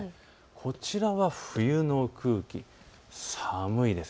こちらは冬の空気、寒いです。